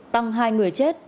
tăng hai người chết